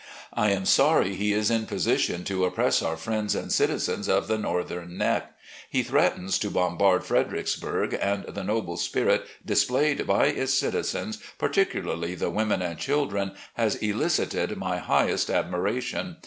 I am sorry he is in position to oppress our friends and citizens of the Northern Neck, He threatens to bombard Fredericksburg, and the noble spirit displayed by its citizens, particularly the women and children, has elicited my highest admiration.